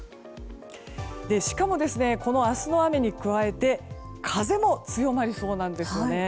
しかも、明日の雨に加えて風も強まりそうなんですよね。